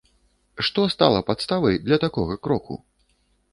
Што стала падставай для такога кроку?